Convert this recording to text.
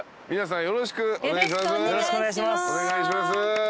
よろしくお願いします。